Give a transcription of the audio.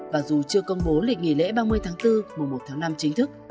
và dù chưa công bố lịch nghỉ lễ ba mươi tháng bốn mùa một tháng năm chính thức